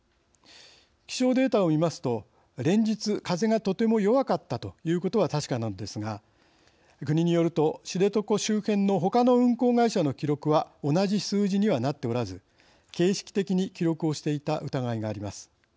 気象データを見ますと連日、風がとても弱かったということは確かなんですが国によると知床周辺のほかの運航会社の記録は同じ数字にはなっておらず形式的に記録をしていた疑いがあります。